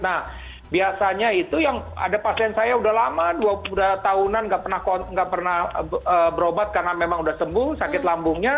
nah biasanya itu yang ada pasien saya udah lama dua puluh tahunan nggak pernah berobat karena memang sudah sembuh sakit lambungnya